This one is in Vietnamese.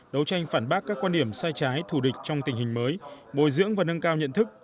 đấu tranh phản bác các quan điểm sai trái thù địch trong tình hình mới bồi dưỡng và nâng cao nhận thức